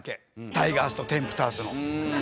タイガースとテンプターズの。